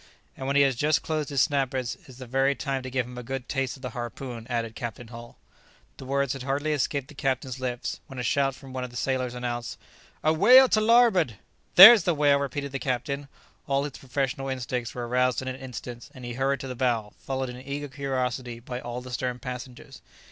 "And when he has just closed his snappers is the very time to give him a good taste of the harpoon," added Captain Hull. The words had hardly escaped the captain's lips when a shout from one of the sailors announced, "A whale to larboard!" "There's the whale!" repeated the captain. All his professional instincts were aroused in an instant, and he hurried to the bow, followed in eager curiosity by all the stern passengers.